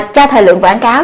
cho thời lượng quảng cáo